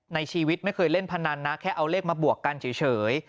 ในชีวิตไม่เคยเล่นพนันนะแค่เอาเลขมาบวกกันเฉย